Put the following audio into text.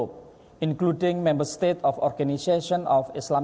termasuk member satwa organisasi kooperasi islam